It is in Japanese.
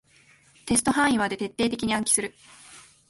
テスト範囲まで徹底的に暗記する